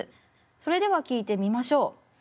それでは聴いてみましょう。